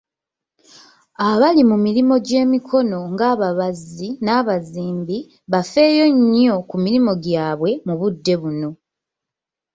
Abali mu mirimu gy'emikono ng'ababazzi, n'abazimbi, bafeeyo nnyo ku mirimu gyabwe mu budde buno.